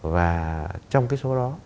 và trong số đó